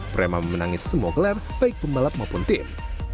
prema memenangi semua gelar baik pembalap maupun tim